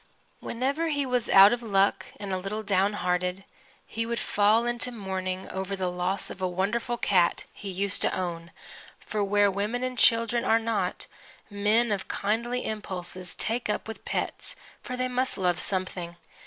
Whenever he was out of luck and a little downhearted, he would fall to mourning over the loss of a wonderful cat he used to own (for where women and children are not, men of kindly impulses take up with pets, for they must love something).